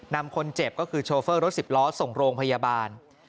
นำคนเจ็บก็คือโชเฟอร์รถสิบล้อส่งโรงพยาบาล